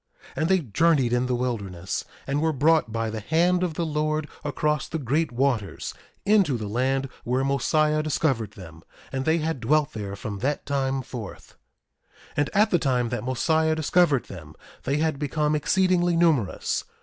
1:16 And they journeyed in the wilderness, and were brought by the hand of the Lord across the great waters, into the land where Mosiah discovered them; and they had dwelt there from that time forth. 1:17 And at the time that Mosiah discovered them, they had become exceedingly numerous.